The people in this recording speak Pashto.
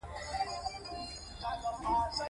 د طیارې وسایل ډېر پرمختللي دي.